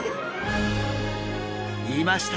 いました！